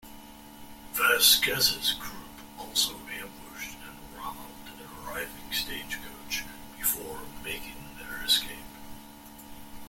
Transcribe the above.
Vasquez's group also ambushed and robbed an arriving stagecoach before making their escape.